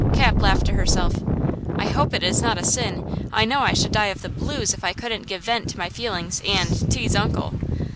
Cap laughed to herself. "I hope it is not a sin. I know I should die of the blues if I couldn't give vent to my feelings and–tease uncle!"